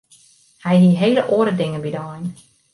Hy hie hele oare dingen by de ein.